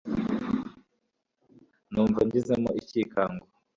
numva ngizemo icyikango